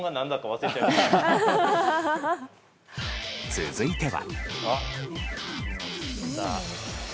続いては。